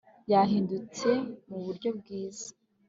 yahindutse muburyo bwiza